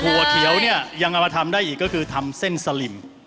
หัวเขียวเนี่ยยังเอามาทำได้อีกก็คือทำเส้นสลิม